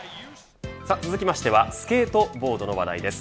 続きましてはスケートボードの話題です。